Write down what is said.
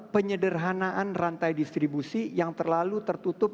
penyederhanaan rantai distribusi yang terlalu tertutup